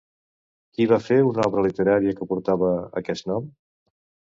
Qui va fer una obra literària que portava aquest nom?